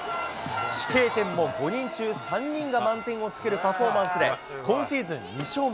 飛型点も５人中３人が満点をつけるパフォーマンスで、今シーズン２勝目。